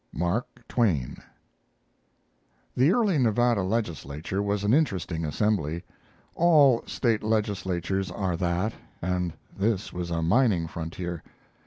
XL. "MARK TWAIN" The early Nevada legislature was an interesting assembly. All State legislatures are that, and this was a mining frontier.